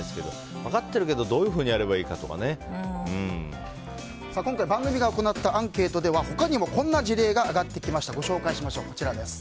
分かってるけど、どういうふうに今回番組が行ったアンケートでは他にもこんな事例が挙がってきました。